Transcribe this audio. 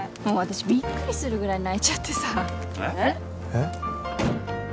もう私びっくりするぐらい泣いちゃってさえっ？